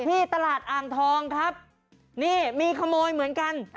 ที่ตลาดอ่างทองครับนี่มีขโมยเหมือนกัน